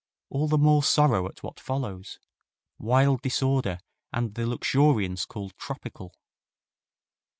All the more sorrow at what follows: wild disorder and the luxuriance called tropical.